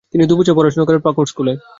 তিনি দু’বছর পড়াশোনা করেন পাকুড় স্কুলে।